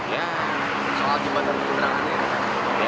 ya soal jembatan penyeberangan ya